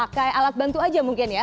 pakai alat bantu aja mungkin ya